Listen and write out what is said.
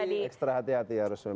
pasti ekstra hati hati harus memang